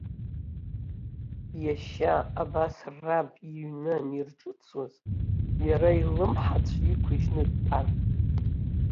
Иашьа абас раб иҩны анирҿыцуаз, иара илымҳацә иқәыжьны дтәан.